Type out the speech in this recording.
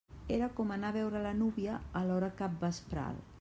Era com anar a veure la núvia a l'hora capvespral.